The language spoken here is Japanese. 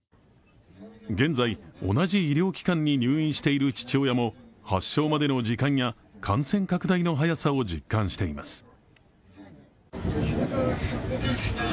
現在、同じ医療機関に入院している父親も発症までの時間や感染拡大までの時間の速さを実感しています。